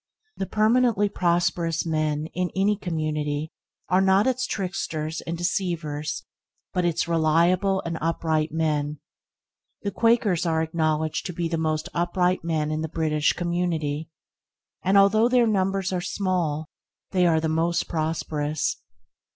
The permanently prosperous men in any community are not its tricksters and deceivers, but its reliable and upright men. The Quakers are acknowledged to be the most upright men in the British community, and, although their numbers are small, they are the most prosperous.